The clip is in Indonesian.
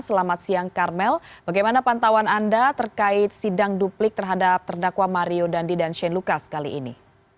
selamat siang karmel bagaimana pantauan anda terkait sidang duplik terhadap terdakwa mario dandi dan shane lucas kali ini